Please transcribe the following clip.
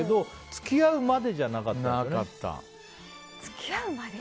付き合うまでじゃない？